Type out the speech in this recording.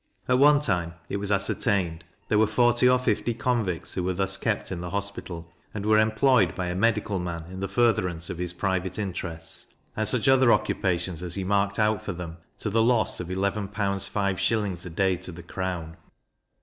At one time, it was ascertained, there were forty or fifty convicts who were thus kept in the Hospital, and were employed by a medical man in the furtherance of his private interests, and such other occupations as he marked out for them, to the loss of eleven pounds five shillings a day to the crown.